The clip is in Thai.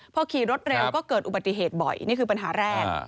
พอขี่รถเร็วก็เกิดอุบัติเหตุบ่อยนี่คือปัญหาแรก